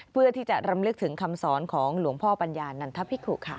เพื่อที่จะรำลึกถึงคำสอนของหลวงพ่อปัญญานันทพิกุค่ะ